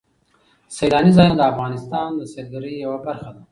سیلاني ځایونه د افغانستان د سیلګرۍ یوه برخه ده.